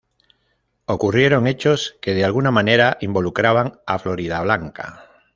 Ocurrieron hechos que de alguna manera involucraban a Floridablanca.